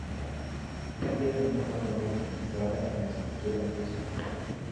La piedra nunca fue muy utilizada en la escultura etrusca.